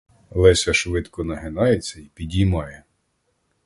Леся швидко нагинається й підіймає.